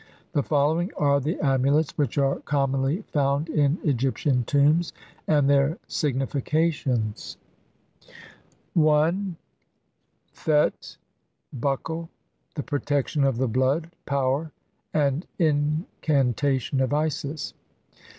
The following are the amulets which are commonly found in Egyptian tombs, and their signifi cations :— thet Buckle. The Protection of the blood, power, and incantation of Isis.